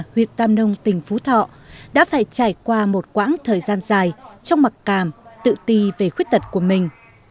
huyện tam nông tỉnh phú thọ đã phải trải qua một quãng thời gian dài trong mặc cảm tự ti về khuyết tật của mình